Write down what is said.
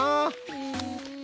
うん。